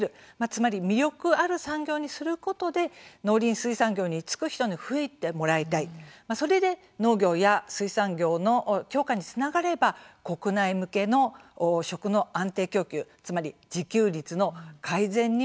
つまり魅力ある産業にすることで農林水産業に就く人に増えてもらいたいそれで農業や水産業の強化につながれば国内向けの食の安定供給つまり自給率の改善にもつながる。